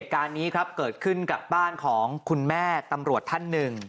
เหตุการณ์นี้ครับเกิดขึ้นกับบ้านของคุณแม่ตำรวจท่านหนึ่ง